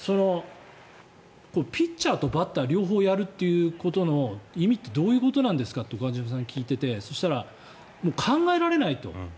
ピッチャーとバッターを両方やるということの意味ってどういうことなんですかと岡島さんに聞いててそしたら、考えられないと。